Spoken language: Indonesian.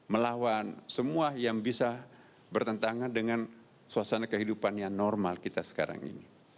melawan semua yang bisa bertentangan dengan suasana kehidupan yang normal kita sekarang ini